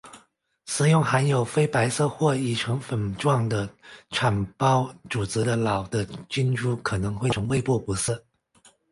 食用含有非白色或已成粉状的产孢组织的老的菌株可能会造成胃部不适。